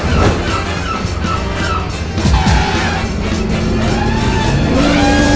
ชอบขะ